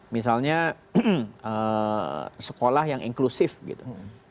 misalnya sekolah yang inklusif gitu